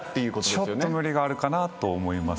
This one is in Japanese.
ちょっと無理があるかなと思います。